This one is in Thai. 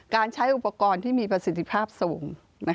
ใช้อุปกรณ์ที่มีประสิทธิภาพสูง